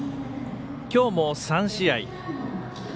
きょうも３試合。